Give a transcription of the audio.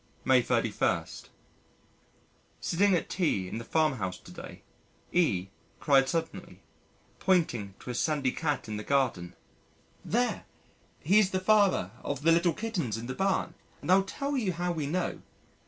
May 31. Sitting at tea in the farm house to day E cried suddenly, pointing to a sandy cat in the garden: "There, he's the father of the little kittens in the barn and I'll tell you how we know.